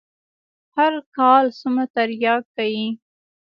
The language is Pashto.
هر کال څومره ترياک کيي.